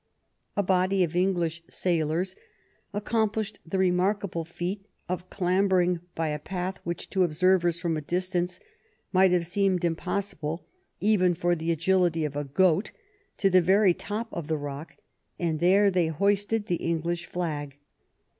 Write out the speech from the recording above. A body of English sailors accomplished the remarkable feat of clambering by a path, which to observers from a distance might have seemed impossible even for the agility of a goat, to the very top of the rock, and there they hoisted the English flag.